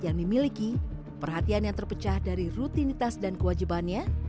yang dimiliki perhatian yang terpecah dari rutinitas dan kewajibannya